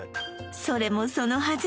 それもそのはず